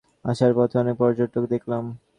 আসার পথে অনেক পর্যটক দেখলাম।